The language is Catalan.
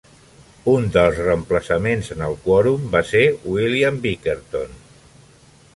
Un dels reemplaçaments en el quòrum va ser William Bickerton.